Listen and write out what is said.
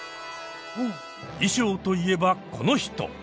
衣装と言えばこの人。